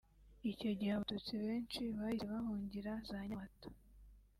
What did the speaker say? icyo gihe abatutsi benshi bahise bahungira za Nyamata”